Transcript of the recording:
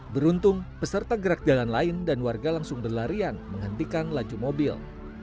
beruntung peserta gerak jalan lain dan warga langsung berlarian menghentikan laju mobil